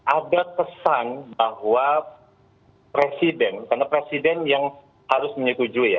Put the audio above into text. ada pesan bahwa presiden karena presiden yang harus menyetujui ya